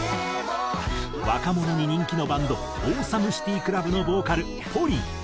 若者に人気のバンドＡｗｅｓｏｍｅＣｉｔｙＣｌｕｂのボーカルＰＯＲＩＮ。